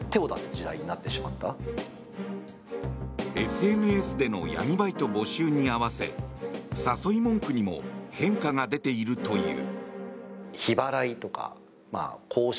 ＳＮＳでの闇バイト募集に合わせ誘い文句にも変化が出ているという。